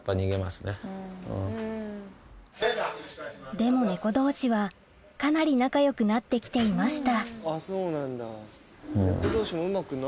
でも猫同士はかなり仲よくなって来ていました